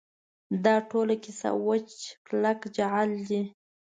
دا ټوله کیسه وچ کلک جعل دی.